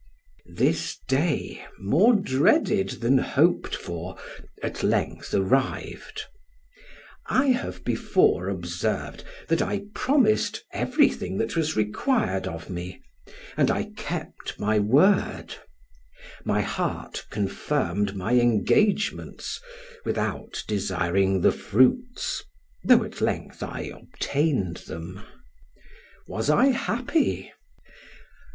This day, more dreaded than hoped for, at length arrived. I have before observed, that I promised everything that was required of me, and I kept my word: my heart confirmed my engagements without desiring the fruits, though at length I obtained them. Was I happy?